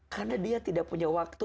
karena dia tidak punya waktu